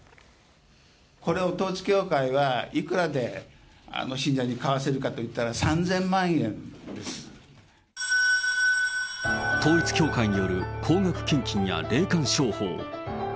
これを統一教会はいくらで信者に買わせるかといったら、３０統一教会による高額献金や霊感商法。